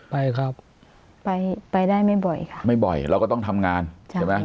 ไปครับไปไปได้ไม่บ่อยค่ะไม่บ่อยเราก็ต้องทำงานใช่ไหม